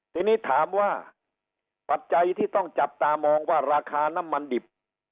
ทีนี้ถามว่าปัจจัยที่ต้องจับตามองว่าราคาน้ำมันดิบ